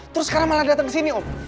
terus sekarang malah datang ke sini om